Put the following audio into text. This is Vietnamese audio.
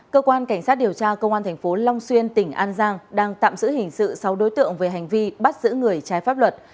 cơ quan cảnh sát điều tra công an tp long xuyên tỉnh an giang đang tạm giữ hình sự sáu đối tượng về hành vi bắt giữ người trái pháp luật